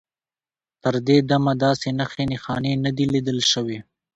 تر دې دمه داسې نښې نښانې نه دي لیدل شوي.